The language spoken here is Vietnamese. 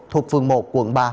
thuộc phường một quận ba